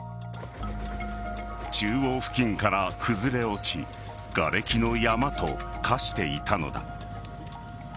中央付近から崩れ落ちがれきの山と化していたのだ。